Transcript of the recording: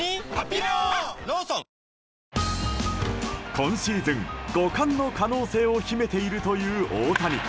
今シーズン５冠の可能性を秘めているという大谷。